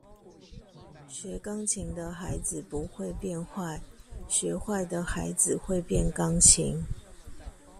學鋼琴的孩子不會變壞，學壞的孩子會變鋼琴